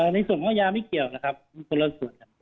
ในส่วนของอายาไม่เกี่ยวนะครับคนละส่วน